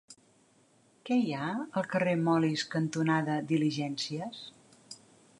Què hi ha al carrer Molist cantonada Diligències?